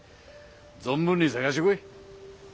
存分に探してこい。